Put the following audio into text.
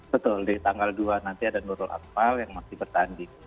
betul di tanggal dua nanti ada nurul akmal yang masih bertanding